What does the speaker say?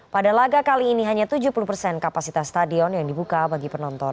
pada laga kali ini hanya tujuh puluh persen kapasitas stadion yang dibuka bagi penonton